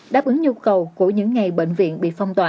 đáp ứng nhu cầu của những ngày bệnh viện bị phong tỏa